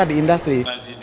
dan mereka di industri